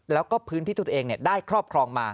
แล้วก็พื้นที่ทุกอย่างเองได้ครอบครองมา